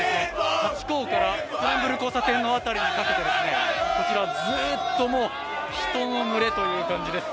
ハチ公からスクランブル交差点の辺りにかけてずっと人の群という感じです。